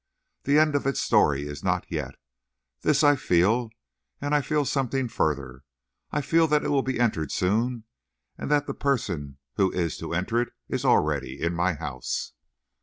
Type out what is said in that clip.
The end of its story is not yet. This I feel; and I feel something further; I feel that it will be entered soon, and that the person who is to enter it is already in my house.